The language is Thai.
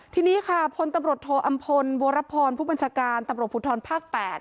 ทีนี้ค่ะพลตำรวจโทอำพลวรพรผู้บัญชาการตำรวจภูทรภาค๘